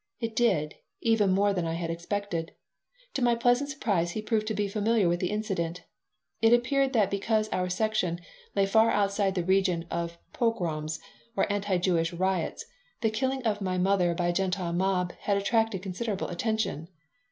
It did even more than I had expected. To my pleasant surprise, he proved to be familiar with the incident. It appeared that because our section lay far outside the region of pogroms, or anti Jewish riots, the killing of my mother by a Gentile mob had attracted considerable attention.